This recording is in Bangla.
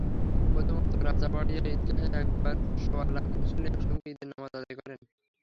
প্রথমত, রাজাবাড়ীয়া ঈদগাহে একবার সোয়া লাখ মুসল্লি একসঙ্গে ঈদের নামাজ আদায় করেন।